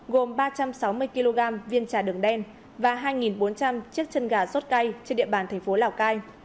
gồm ba trăm sáu mươi kg viên trà đường đen và hai bốn trăm linh chiếc chân gà xốt cay trên địa bàn tp lào cai